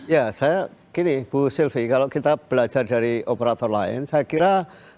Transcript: ya saya gini bu sylvie kalau kita belajar dari operator lain saya kira